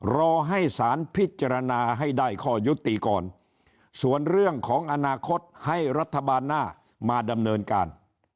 รอให้สารพิจารณาให้ได้ข้อยุติก่อนส่วนเรื่องของอนาคตให้รัฐบาลหน้ามาดำเนินการ